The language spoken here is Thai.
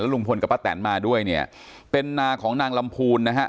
แล้วลุงพลป้าแตนมาด้วยเนี้ยเป็นนางลำภูลนะฮะ